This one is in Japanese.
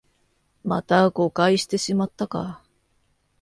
また誤解してしまったか